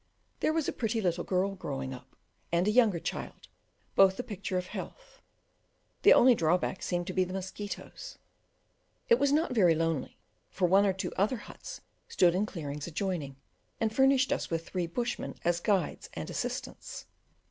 There was a pretty little girl growing up, and a younger child, both the picture of health; the only drawback seemed to be the mosquitoes; it was not very lonely, for one or two other huts stood in clearings adjoining, and furnished us with three bushmen as guides and assistants.